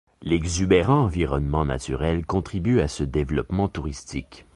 L'exubérant environnement naturel contribue a ce développement touristique.